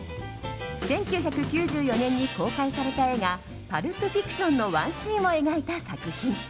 １９９４年に公開された映画「パルプ・フィクション」のワンシーンを描いた作品。